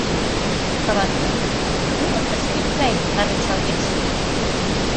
Каватӱр тувыртышвӱд гай нарынчалген шуын.